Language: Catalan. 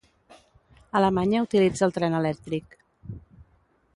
Alemanya utilitza el tren elèctric.